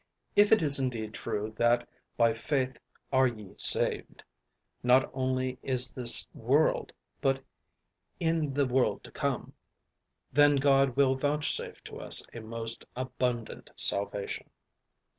If it is indeed true that "by faith are ye saved," not only in this world, but in the world to come, then God will vouchsafe to us a most abundant salvation.